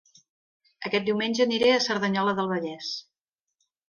Aquest diumenge aniré a Cerdanyola del Vallès